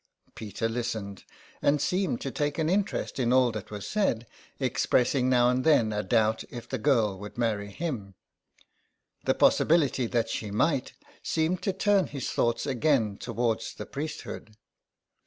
Peter listened, and seemed to take an interest in all that was said, expressing now and then a doubt if the girl would marry him ; the possibility that she might seemed to turn his thoughts again towards the priesthood.